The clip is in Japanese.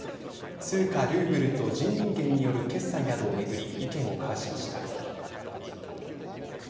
通貨ルーブルと人民元による決済などを巡り意見を交わしました。